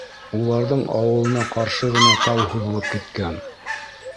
Уларҙың ауылына ҡаршы ғына тау һуҙылып киткән